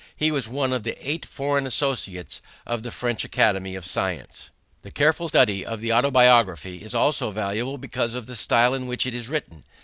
He was one of the eight foreign associates of the French Academy of Science. The careful study of the Autobiography is also valuable because of the style in which it is written.